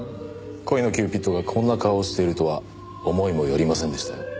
恋のキューピッドがこんな顔をしているとは思いもよりませんでしたよ。